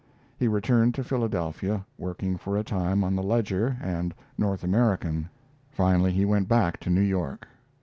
He returned to Philadelphia, working for a time on the Ledger and North American. Finally he went back to New York.